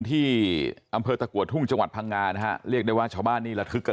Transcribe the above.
ที่อำเภอตะกัวทุ่งจังหวัดพังงานะฮะเรียกได้ว่าชาวบ้านนี่ระทึกกัน